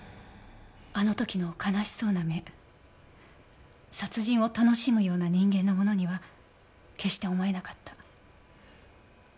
あの時の悲しそうな目殺人を楽しむような人間のものには決して思えなかった。